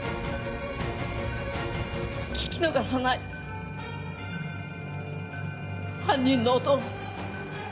聞き逃さない犯人の音を。